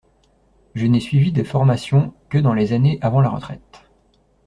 Je n’ai suivi des formations que dans les années avant la retraite.